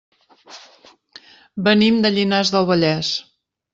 Venim de Llinars del Vallès.